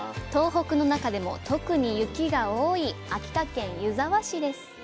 東北の中でも特に雪が多い秋田県湯沢市です